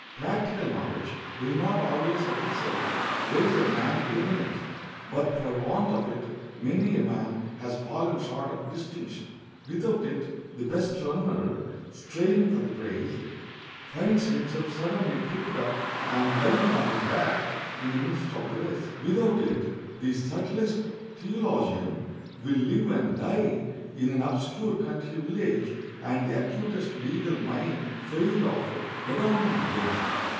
Practical knowledge will not always of itself raise a man to eminence, but for want of it many a man has fallen short of distinction. Without it the best runner, straining for the prize, finds himself suddenly tripped up and lying on his back in the midst of the race. Without it the subtlest theologian will live and die in an obscure country village, and the acutest legal mind fail of adorning the bench.